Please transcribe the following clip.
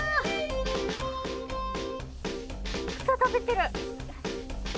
草食べてる！